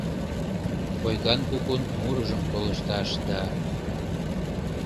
Ойган кукун мурыжым колышташ да.